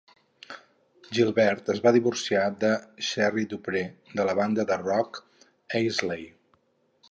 Gilbert es va divorciar de Sherri DuPree de la banda de rock Eisley.